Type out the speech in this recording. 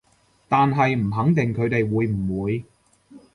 但係唔肯定佢哋會唔會